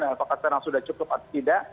apakah sekarang sudah cukup atau tidak